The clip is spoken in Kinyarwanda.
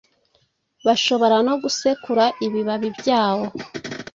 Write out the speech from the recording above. bashobora no gusekura ibibabi byawo,